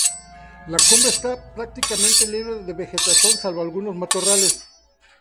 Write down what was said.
La cumbre está prácticamente libre de vegetación salvo algunos matorrales.